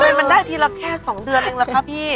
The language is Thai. ทำไมมันได้ทีลับแค่สองเดือนเองล่ะคะพี่